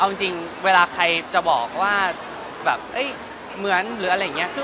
เอาจริงเวลาใครจะบอกว่าแบบเหมือนหรืออะไรอย่างนี้